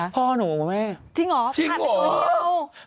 พ่อหนูแม่จริงเหรอผ่านไปตัวเดียวจริงเหรอ